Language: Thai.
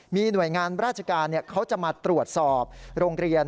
มีหน่วยงานราชการเขาจะมาตรวจสอบโรงเรียน